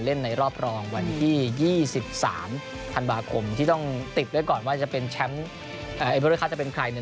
ในรอบรองวันที่๒๓ธันวาคมที่ต้องติดไว้ก่อนว่าจะเป็นแชมป์เอเวอร์คัสจะเป็นใคร